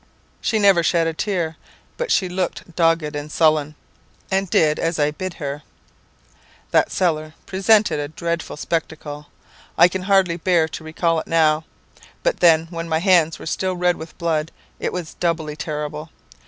"She never shed a tear, but she looked dogged and sullen, and did as I bid her. "That cellar presented a dreadful spectacle. I can hardly bear to recall it now; but then, when my hands were still red with her blood, it was doubly terrible.